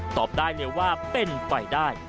ตอบได้เลยว่าเป็นไปได้